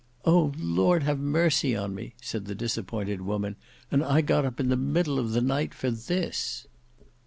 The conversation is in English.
"O! Lord have mercy on me!" said the disappointed woman; "and I got up in the middle of the night for this!"